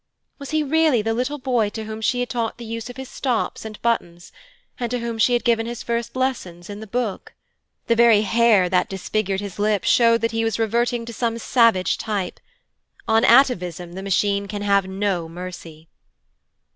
Was he really the little boy to whom she had taught the use of his stops and buttons, and to whom she had given his first lessons in the Book? The very hair that disfigured his lip showed that he was reverting to some savage type. On atavism the Machine can have no mercy.